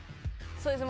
そうですね